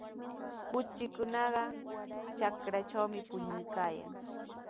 Kuchikunaqa kanchantrawmi puñuykaayan.